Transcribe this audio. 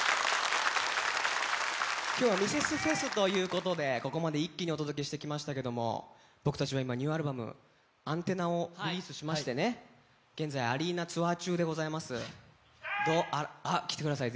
今日はミセスフェスということでここまで一気にお届けしてきましたけども僕たちは今ニューアルバム「ＡＮＴＥＮＮＡ」をリリースしましてね現在アリーナツアー中でございますあっ来てください